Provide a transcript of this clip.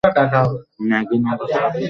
Maggi noodles রাঁধছেন?